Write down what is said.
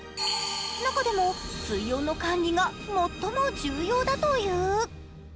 中でも水温の管理が最も重要だという。